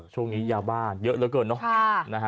ช่วงนี้ยาบ้านเยอะเหลือเกินเนอะ